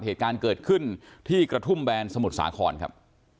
เหตุการณ์เกิดขึ้นที่กระทุ่มแบนสมุทรสาครครับ